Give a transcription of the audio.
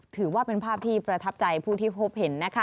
ถือว่าเป็นภาพที่ประทับใจผู้ที่พบเห็นนะคะ